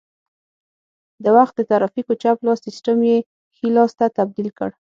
د وخت د ترافیکو چپ لاس سیسټم یې ښي لاس ته تبدیل کړ